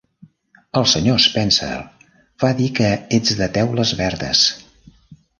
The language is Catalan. El senyor Spencer va dir que ets de Teules Verdes.